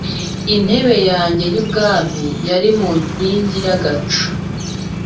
intebe yanjye y’ubwami yari mu nkingi y’agacu.